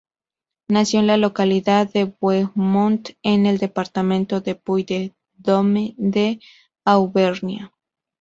Nació en la localidad de Beaumont, en el departamento de Puy-de-Dôme de Auvernia.